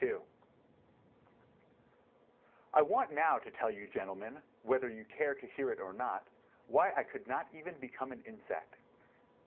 II I want now to tell you, gentlemen, whether you care to hear it or not, why I could not even become an insect.